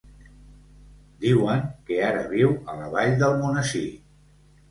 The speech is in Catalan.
Diuen que ara viu a la Vall d'Almonesir.